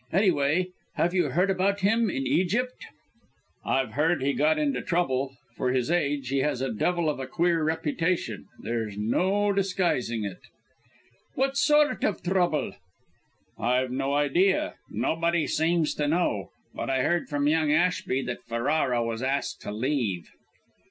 Anyway, have you heard about him, in Egypt?" "I've heard he got into trouble. For his age, he has a devil of a queer reputation; there's no disguising it." "What sort of trouble?" "I've no idea. Nobody seems to know. But I heard from young Ashby that Ferrara was asked to leave."